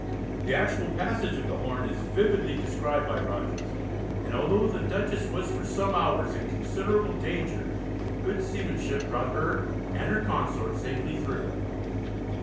The actual passage of the Horn is vividly described by Rogers, and although the Dutchess was for some hours in considerable danger, good seamanship brought her and her consort safely through.